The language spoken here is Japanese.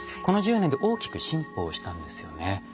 この１０年で大きく進歩をしたんですよね。